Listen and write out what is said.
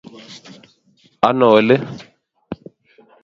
Ano oli